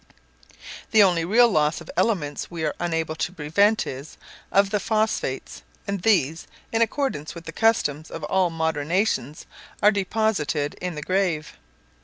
The only real loss of elements we are unable to prevent is of the phosphates, and these, in accordance with the customs of all modern nations, are deposited in the grave.